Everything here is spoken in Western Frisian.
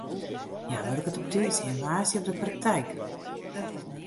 Hja wurket op tiisdei en woansdei op de praktyk.